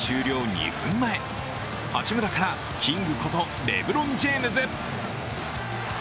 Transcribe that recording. ２分前八村からキングことレブロン・ジェームズ。